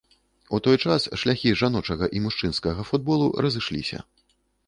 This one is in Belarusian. У той час шляхі жаночага і мужчынскага футболу разышліся.